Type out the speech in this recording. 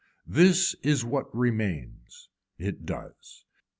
This is what remains. It does.